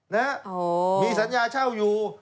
มีสัญญาเช่าอยู่